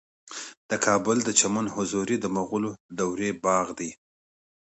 د کابل د چمن حضوري د مغلو دورې باغ دی